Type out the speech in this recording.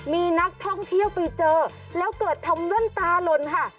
มีนักท่องเที่ยวไปเจอแล้วเกิดทำแว่นตาหล่นค่ะ